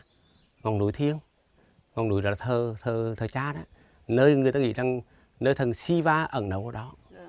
mấy bạn thấy gần núi thiên mahabharata gần núi thiên gần núi là thơ trá đó nơi người ta nghĩ là nơi thần siva ẩn nấu ở đó